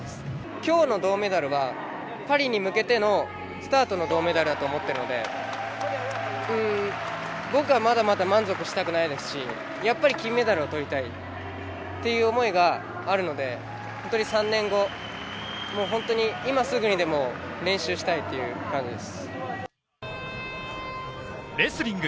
今日の銅メダルはパリに向けてのスタートの銅メダルだと思っているので、僕はまだまだ満足したくないですし、やっぱり金メダルを取りたいという思いがあるので本当に３年後、今すぐにでも練習したいという感じです。